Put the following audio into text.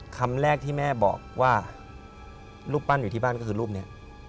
คำแรกที่แม่บอกว่ารูปปั้นอยู่ที่บ้านก็คือรูปนี้